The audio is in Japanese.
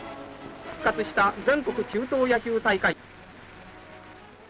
復活した全国中等野球大会。